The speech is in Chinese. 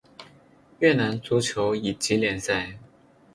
越南足球乙级联赛。